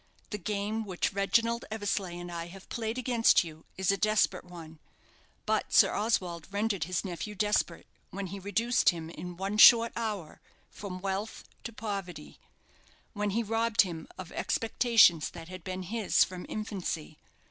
The game which Reginald Eversleigh and I have played against you is a desperate one; but Sir Oswald rendered his nephew desperate when he reduced him, in one short hour, from wealth to poverty when he robbed him of expectations that had been his from infancy.